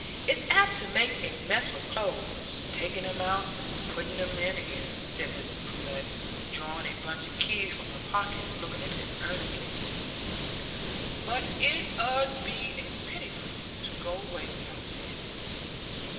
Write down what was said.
"It's apt to make a mess with clothes, taking 'em out and putting 'em in again," said Mrs Pullet, drawing a bunch of keys from her pocket and looking at them earnestly, "but it 'ud be a pity for you to go away without seeing it.